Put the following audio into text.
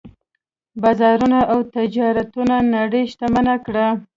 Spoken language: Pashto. بازارونو او تجارتونو نړۍ شتمنه کړه.